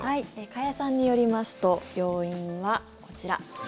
加谷さんによりますと要因はこちら。